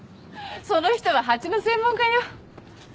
その人は蜂の専門家よ。